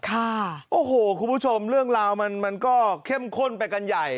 ค่ะโอ้โหคุณผู้ชมเรื่องราวมันมันก็เข้มข้นไปกันใหญ่